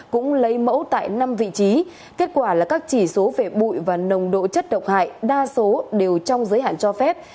đã có năm vị trí kết quả là các chỉ số về bụi và nồng độ chất độc hại đa số đều trong giới hạn cho phép